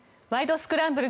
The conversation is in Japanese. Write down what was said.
スクランブル」